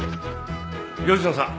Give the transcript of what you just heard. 吉野さん